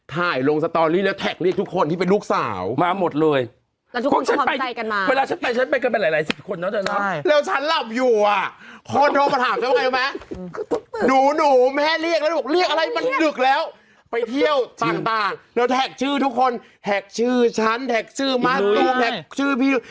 ต่างแล้วแท็กชื่อทุกคนแท็กชื่อฉันแท็กชื่อมาตูแท็กชื่อพี่